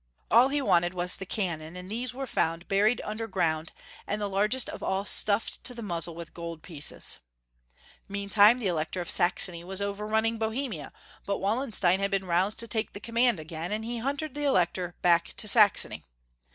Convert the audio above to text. All he wanted was the cannon, and these were found buried under. r WAU ENSTBIK. 3 Ferdinand IL 847 grourid, and the largest of all stuffed to the muzzle with gold pieces. Meantime the Elector of Saxony was overrun ning Bohemia, but Wallenstein had been roused to take the command again, and he hunted the Elec tor back to Saxony.